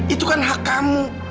itu kan hak kamu